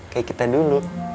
kayak kita dulu